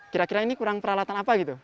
kira kira ini kurang peralatan apa gitu